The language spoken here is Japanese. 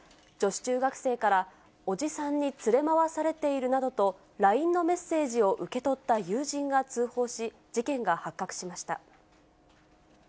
女子中学生から、おじさんに連れ回されているなどと、ＬＩＮＥのメッセージを受け取った友人が通報し、事件が発覚しました。